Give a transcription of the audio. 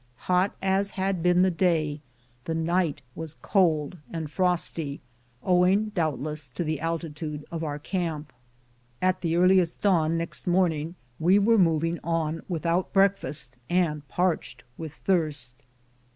Hot as had been the day, the night was cold and frosty, owing, doubtless, to the altitude of our camp. At the earliest dawn next morning we were moving on without breakfast, and parched with thirst.